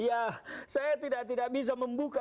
ya saya tidak bisa membuka